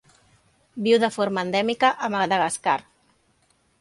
Viu de forma endèmica a Madagascar.